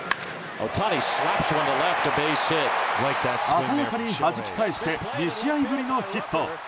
鮮やかに、はじき返して２試合ぶりのヒット！